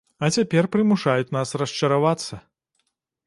А цяпер прымушаюць нас расчаравацца.